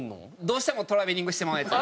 どうしてもトラベリングしてまうヤツ。